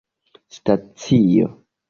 stacio